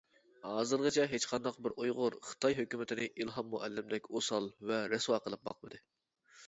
ھازىرغىچە ھېچقانداق بىر ئۇيغۇر خىتاي ھۆكۈمىتىنى ئىلھام مۇئەللىمدەك ئوسال ۋە رەسۋا قىلىپ باقمىدى.